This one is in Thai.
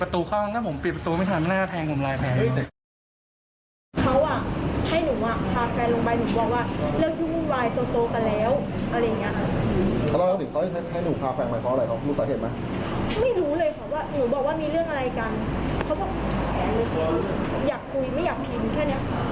ไม่รู้เลยเพราะว่าหนูบอกว่ามีเรื่องอะไรกันเขาบอกแหละเลยอยากคุยไม่อยากพิมพ์แค่เนี้ย